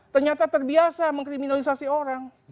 ternyata terbiasa mengkriminalisasi orang